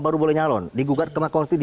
baru boleh nyalon digugat ke mahkamah konstitusi